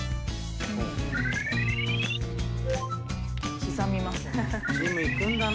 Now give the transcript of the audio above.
刻みますね。